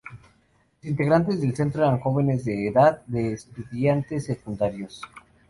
Los integrantes del Centro eran jóvenes de edad de estudiantes secundarios.